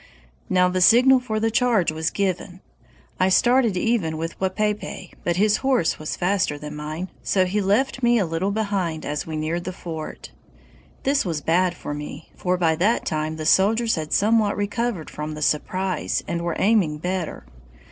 "Now the signal for the charge was given! I started even with Wapaypay, but his horse was faster than mine, so he left me a little behind as we neared the fort. This was bad for me, for by that time the soldiers had somewhat recovered from the surprise and were aiming better.